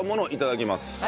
ではいただきます。